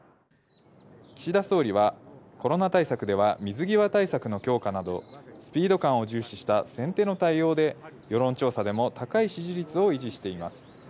岸田総理はコロナ対策では、水際対策の強化など、スピード感を重視した先手の対応で世論調査でも高い支持率を維持しています。